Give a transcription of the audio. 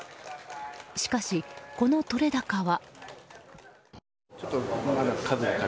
しかし、この取れ高は。